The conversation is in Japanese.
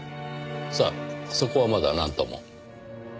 さあそこはまだなんとも。